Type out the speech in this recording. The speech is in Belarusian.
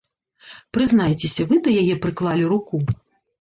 Прызнайцеся, вы да яе прыклалі руку?